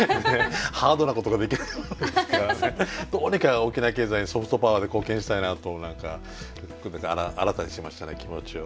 ハードなことができないわけですからどうにか沖縄経済にソフトパワーで貢献したいなと何か含めて新たにしましたね気持ちを。